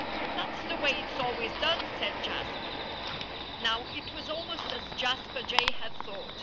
"That's the way it's always done," said Jasper. Now, it was almost as Jasper Jay had thought.